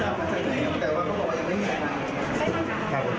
ยังไม่มีฝ่ายกล้องในมือครับแต่ว่าก็บอกว่ายังไม่มีฝ่ายกล้อง